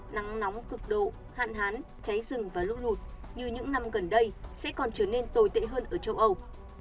nắng nóng cực độ hạn hán cháy rừng và lũ lụt như những năm gần đây sẽ còn trở nên tồi tệ hơn ở châu âu